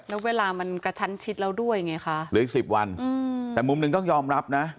แล้วเวลามันกระชั้นชิดแล้วด้วยไงคะเหลืออีกสิบวันอืมแต่มุมหนึ่งต้องยอมรับนะ